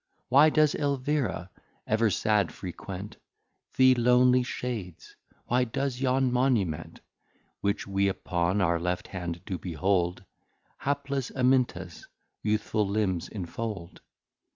Why does Elvira, ever sad, frequent The lonely shades? Why does yon Monument Which we upon our Left Hand do behold, Hapless Amintas youthful Limbs enfold?